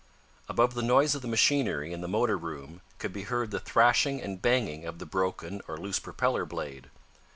Above the noise of the machinery in the motor room could be heard the thrashing and banging of the broken or loose propeller blade.